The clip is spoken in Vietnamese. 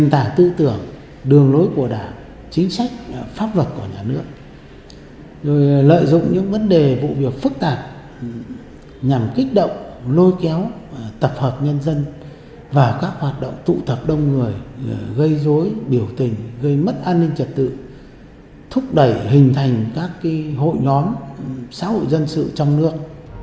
tạ tư tưởng đường lối của đảng chính sách pháp luật của nhà nước lợi dụng những vấn đề vụ việc phức tạp nhằm kích động lôi kéo tập hợp nhân dân và các hoạt động tụ tập đông người gây dối biểu tình gây mất an ninh trật tự thúc đẩy hình thành các hội nhóm xã hội dân sự trong nước